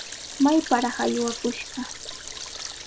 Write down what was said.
¡Mayparaq aywakushqa!